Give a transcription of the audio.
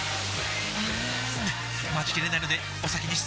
うーん待ちきれないのでお先に失礼！